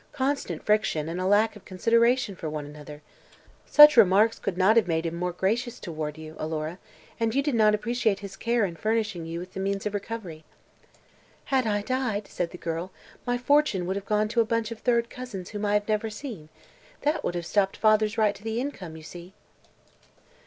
"Constant friction and a lack of consideration for one another. Such remarks could not have made him more gracious toward you, Alora, and you did not appreciate his care in furnishing you with the means of recovery." "Had I died," said the girl, "my fortune would have gone to a bunch of third cousins whom I have never seen. That would have stopped father's right to the income, you see."